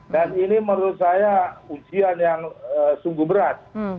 dan ini menurut saya ujian yang sungguh berat